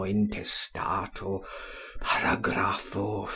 intestato. paragrapho.